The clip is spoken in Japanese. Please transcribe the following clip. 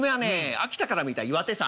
秋田から見た岩手山。